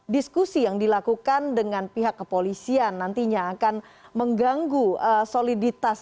diskusi yang dilakukan dengan pihak kepolisian nantinya akan mengganggu soliditas